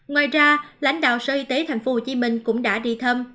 ngoài ra lãnh đạo sở y tế tp hcm cũng đã đi thăm